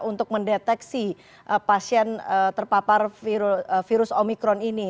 untuk mendeteksi pasien terpapar virus omikron ini